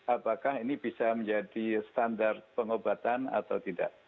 apakah ini bisa menjadi standar pengobatan atau tidak